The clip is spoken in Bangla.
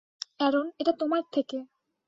অ্যারন, এটা তোমার থেকে।